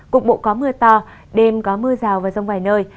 cục bộ có mưa to đêm có mưa rào và rông vài nơi